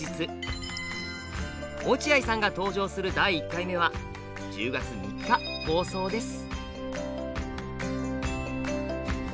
落合さんが登場する第１回目は１０月３日放送です。